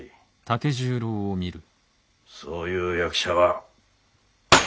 そういう役者は。